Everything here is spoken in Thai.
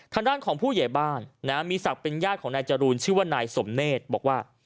ทางด้านของผู้ใหญ่บ้านมีศักดิ์เป็นญาติของนายจรูนชื่อว่านายสมเนธบอกว่า